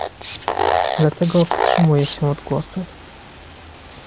Dlatego wstrzymuje się od głosu